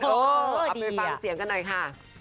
เอาไปฟังเสียงกันหน่อยค่ะ